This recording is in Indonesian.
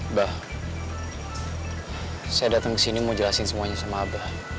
mbah saya datang kesini mau jelasin semuanya sama abah